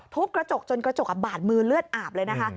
กระจกจนกระจกบาดมือเลือดอาบเลยนะคะ